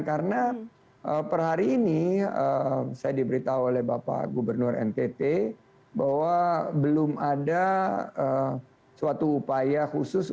karena per hari ini saya diberitahu oleh bapak gubernur ntt bahwa belum ada suatu upaya khusus